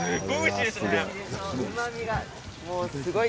うまみがすごい。